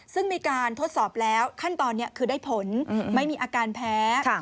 ซึ่งมีการทดสอบแล้วขั้นตอนนี้คือได้ผลไม่มีอาการแพ้